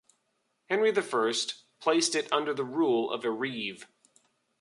Henry the First placed it under the rule of a reeve.